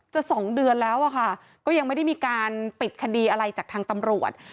สองเดือนแล้วอะค่ะก็ยังไม่ได้มีการปิดคดีอะไรจากทางตำรวจ